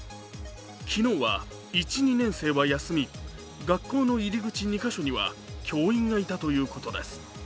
昨日は１・２年生は休み、学校の入り口２か所には教員がいたということです。